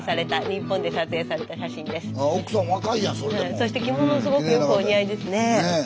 そして着物すごくよくお似合いですね。